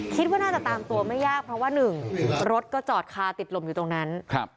คิดว่าน่าจะตามตัวไม่ยากเพราะว่าหนึ่งรถก็จอดคาติดลมอยู่ตรงนั้นครับ